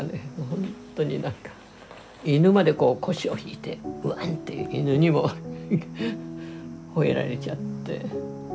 ほんとになんか犬までこう腰を引いてワンって犬にもほえられちゃって。